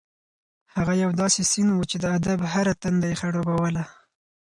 هغه یو داسې سیند و چې د ادب هره تنده یې خړوبوله.